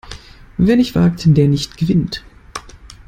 Wer nicht wagt, der nicht gewinnt!